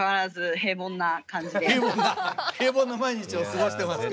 平凡な毎日を過ごしてますか。